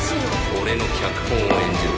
「俺の脚本を演じろ」